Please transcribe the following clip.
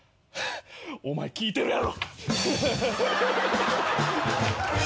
お前聞いてるやろ。